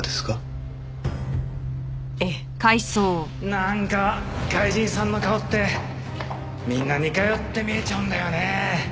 なんか外人さんの顔ってみんな似通って見えちゃうんだよね。